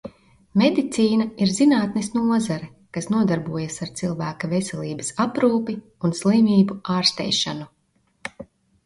Medicīna ir zinātnes nozare, kas nodarbojas ar cilvēka veselības aprūpi un slimību ārstēšanu.